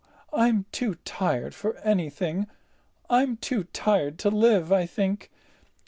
I'm too tired for anything. I'm too tired to live, I think.